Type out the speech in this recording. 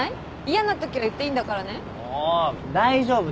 嫌なときは言っていいんだからね？も大丈夫ですよ。